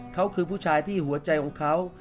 เขาคือผู้ชายที่หัวใจของเขา